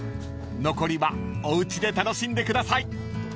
［残りはおうちで楽しんでください］